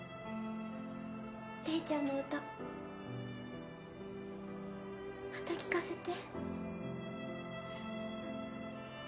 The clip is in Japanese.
玲ちゃんの歌また聴かせて。